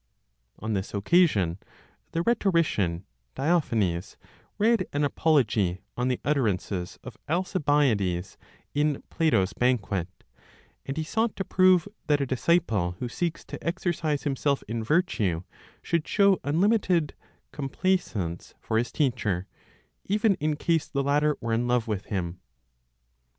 On this occasion the rhetorician Diophanes read an apology on the utterances of Alcibiades in Plato's "Banquet," and he sought to prove that a disciple who seeks to exercise himself in virtue should show unlimited "complaisance" for his teacher, even in case the latter were in love with him.